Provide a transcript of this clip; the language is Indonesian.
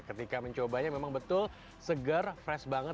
ketika mencobanya memang betul segar fresh banget